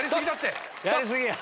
やり過ぎや！